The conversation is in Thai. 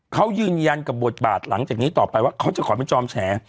เขายืนยันกับบทบาทหลังจากนี้ต่อไปว่าเขาจะขอเป็นจอมแฉ